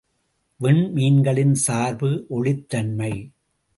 விண்மீன்களின் சார்பு ஒளிர்த்தன்மை.